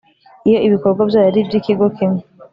Iyo ibikorwa byayo ari iby ikigo kimwe